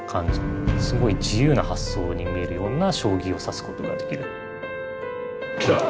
すごい自由な発想に見えるような将棋を指すことができる。